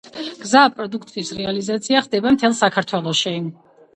მზა პროდუქციის რეალიზაცია ხდება მთელ საქართველოში.